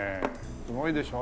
すごいでしょ？